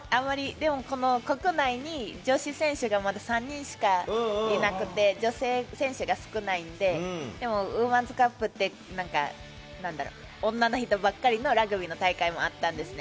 でも国内に女子選手がまだ３人しかいなくて、女性選手が少ないのでウーマンズカップという女の人ばかりのラグビーの大会もあったんですね。